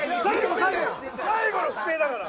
最後の不正だから。